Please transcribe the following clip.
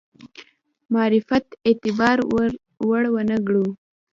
معرفت اعتبار وړ وګڼو.